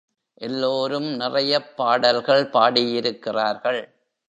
எல்லோரும் நிறையப் பாடல்கள் பாடியிருக்கிறார்கள்.